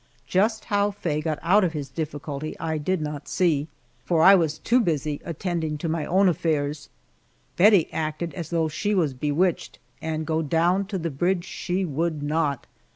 Just how Faye got out of his difficulty I did not see, for I was too busy attending to my own affairs. Bettie acted as though she was bewitched, and go down to the bridge she would not.